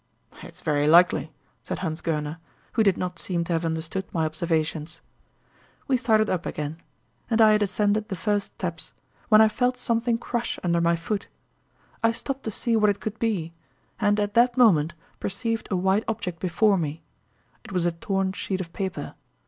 "It's very likely," said Hans Goerner, who did not seem to have understood my observations. We started up again, and I had ascended the first steps when I felt something crush under my foot; I stopped to see what it could be, and at that moment perceived a white object before me. It was a torn sheet of paper.